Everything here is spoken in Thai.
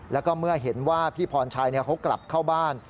แล้วก็เมื่อเห็นว่าพี่พรชัยเขากลับเข้าบ้าน